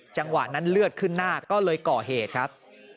จังหวะนั้นเลือดขึ้นหน้าก็เลยก่อเหตุครับ